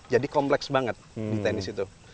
jadi kompleks banget di tenis itu